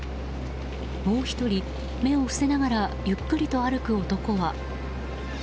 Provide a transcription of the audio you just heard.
もう１人、目を伏せながらゆっくりと歩く男は。